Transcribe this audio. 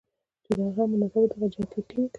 چې په هم دغه مناسبت دغه جنګي ټېنک